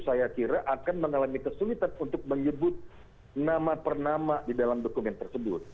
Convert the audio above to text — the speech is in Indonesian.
saya kira akan mengalami kesulitan untuk menyebut nama per nama di dalam dokumen tersebut